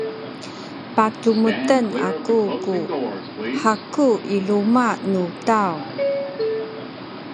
pacumuden aku ku haku i luma’ nu taw.